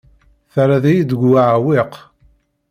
Terriḍ-iyi deg uɛewwiq.